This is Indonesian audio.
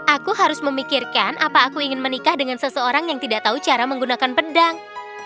aku harus memikirkan apa aku ingin menikah dengan seseorang yang tidak tahu cara menggunakan pedang